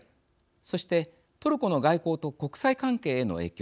そしてトルコの外交と国際関係への影響。